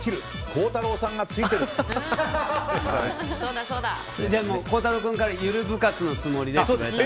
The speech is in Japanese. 孝太郎君からゆる部活のつもりでって。